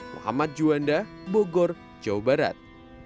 muhammad juanda bogor jawa barat